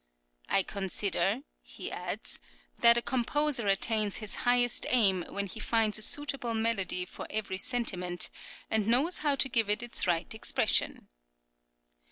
"I consider," he adds "that a composer attains his highest aim when he finds a suitable melody for every sentiment, and knows how to give it its right expression."